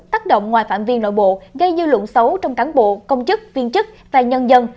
tác động ngoài phạm vi nội bộ gây dư luận xấu trong cán bộ công chức viên chức và nhân dân